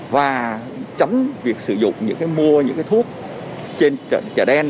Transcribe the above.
và chấm việc sử dụng những cái mua những cái thuốc trên chợ đen